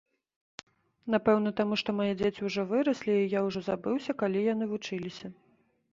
Напэўна таму, што мае дзеці ўжо выраслі, і я ўжо забыўся, калі яны вучыліся.